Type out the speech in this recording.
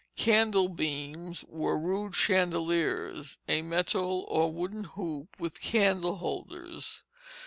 Candle beams were rude chandeliers, a metal or wooden hoop with candle holders.